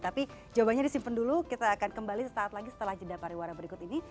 tapi jawabannya disimpan dulu kita akan kembali sesaat lagi setelah jeda pariwara berikut ini